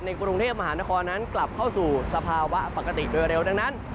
ในกรุงเทพฯมฆนั้นกลับเข้าสู่สภาวะปกติเร็วดังนั้น